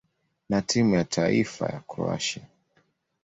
na timu ya taifa ya Kroatia.